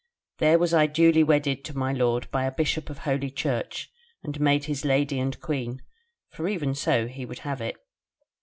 There was I duly wedded to my lord by a Bishop of Holy Church, and made his Lady and Queen; for even so he would have it.